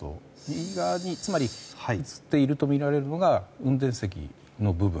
右側に映っているとみられるものが運転席の部分。